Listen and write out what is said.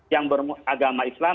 yang beragama islam